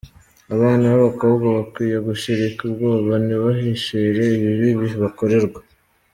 Abana b’abakobwa bakwiye gushirika ubwoba ntibahishire ibibi bibakorerwa.